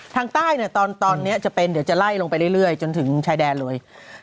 ทางใต้เนี่ยตอนนี้จะเป็นเดี๋ยวจะไล่ลงไปเรื่อยจนถึงชายแดนเลย